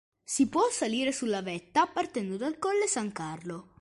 Si può salire sulla vetta partendo dal colle San Carlo.